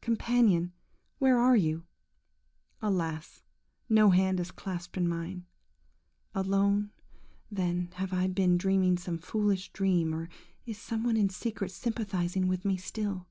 Companion, where are you? Alas! no hand is clasped in mine. Alone, then, have I been dreaming some foolish dream, or is some one in secret sympathising with me still?